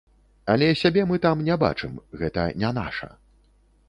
Але сябе мы там не бачым, гэта не наша.